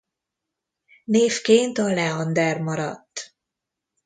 Névként a Leander maradt.